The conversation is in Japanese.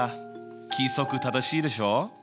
規則正しいでしょ。